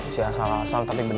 si asal asal tapi benar